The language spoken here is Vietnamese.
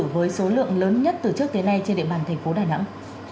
với số lượng lớn nhất từ trước tới nay trên địa bàn tp đà nẵng